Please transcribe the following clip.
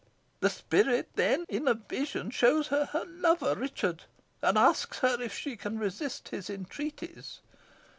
The spirit then, in a vision, shows her her lover, Richard, and asks her if she can resist his entreaties.